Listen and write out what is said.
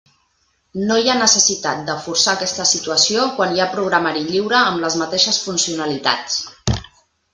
No hi ha necessitat de forçar aquesta situació quan hi ha programari lliure amb les mateixes funcionalitats.